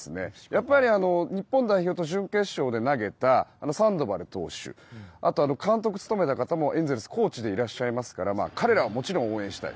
やっぱり日本代表との試合準決勝で投げたサンドバル投手監督を務めた方もエンゼルスコーチでいらっしゃいますから彼らはもちろん応援したい。